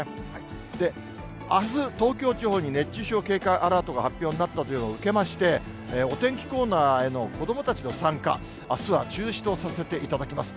で、あす、東京地方に熱中症警戒アラートが発表になったというのを受けまして、お天気コーナーへの子どもたちの参加、あすは中止とさせていただきます。